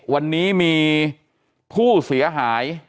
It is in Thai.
วันนี้มีผู้เสียหาย